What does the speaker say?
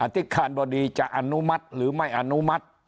ธิการบดีจะอนุมัติหรือไม่อนุมัติ